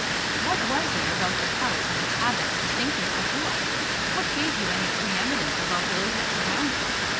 "What was there about your house and its habits distinctive before? What gave you any pre eminence above those that surround you?